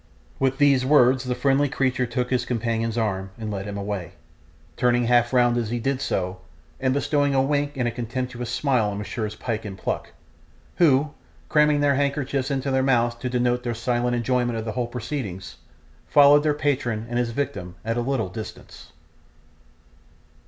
With these words the friendly creature took his companion's arm and led him away, turning half round as he did so, and bestowing a wink and a contemptuous smile on Messrs Pyke and Pluck, who, cramming their handkerchiefs into their mouths to denote their silent enjoyment of the whole proceedings, followed their patron and his victim at a little distance.